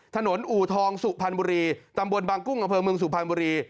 ถนนอู่ทองสุพรรณบุรีตำบวนบางกุ้งของเมืองสุพรรณบุรี